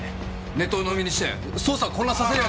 ネットをうのみにして捜査を混乱させるわけには。